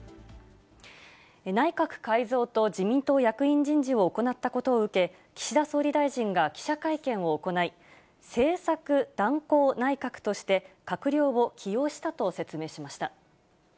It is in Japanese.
内閣改造と自民党役員人事を行ったことを受け、岸田総理大臣が記者会見を行い、政策断行内閣として、閣僚を起用したと説明しました。